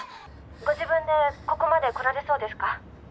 「ご自分でここまで来られそうですか？」